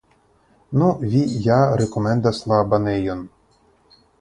Nu, vi ja rekomendas la banejon.